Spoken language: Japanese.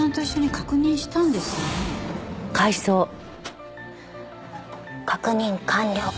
確認完了。